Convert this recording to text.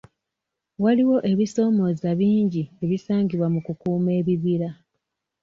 Waliwo ebisomooza bingi ebisangibwa mu ku kuuma ebibira.